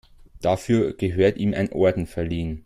Dafür gehört ihm ein Orden verliehen.